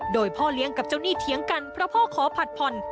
โดยพ่อเลี้ยงกับเจ้าหนี้เถียงกันเพราะพ่อขอผัดผ่อน